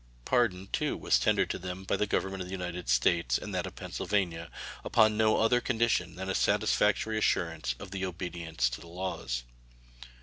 Pardon, too, was tendered to them by the Government of the United States and that of Pennsylvania, upon no other condition than a satisfactory assurance of obedience to the laws.